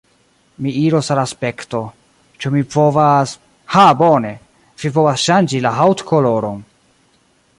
Mi iros al Aspekto. Ĉu mi povas... ha bone! Vi povas ŝanĝi la haŭtkoloron.